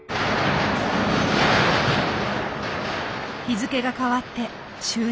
日付が変わって終電。